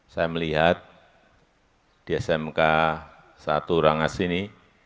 saya melihat di smk satu rangas ini